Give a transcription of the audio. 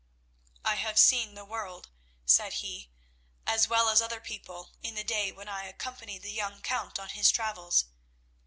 "I have seen the world," said he, "as well as other people, in the day when I accompanied the young Count on his travels.